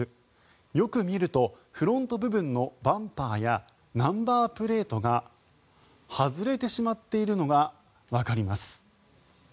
よく見るとフロント部分のバンパーやナンバープレートが外れてしまっているのがわかります。